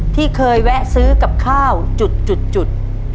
ที่เคยแวะซื้อกับข้าวจุด